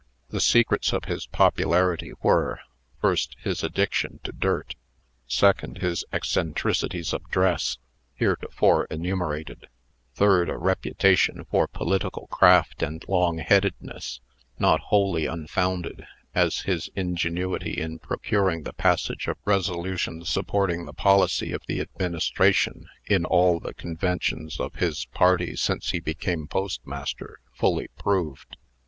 The secrets of his popularity were: First, his addiction to dirt; second, his eccentricities of dress, heretofore enumerated; third, a reputation for political craft and long headedness, not wholly unfounded, as his ingenuity in procuring the passage of resolutions supporting the policy of the Administration, in all the conventions of his party since he became postmaster, fully proved.